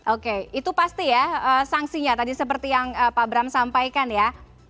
oke itu pasti ya sanksinya tadi seperti yang pak bram sampaikan ya